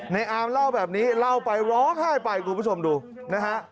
อาร์มเล่าแบบนี้เล่าไปร้องไห้ไปคุณผู้ชมดูนะฮะ